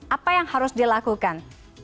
apa yang harus dilakukan